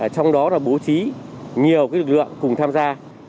trong đó là bố trí nhiều lực lượng cùng tham gia